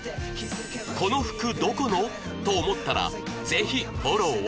「この服どこの？」と思ったらぜひフォローを